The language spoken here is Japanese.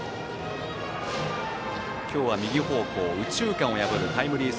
今日は右方向、右中間を破るタイムリー